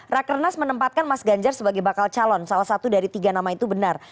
rakernas menempatkan mas ganjar sebagai bakal calon salah satu dari tiga nama itu benar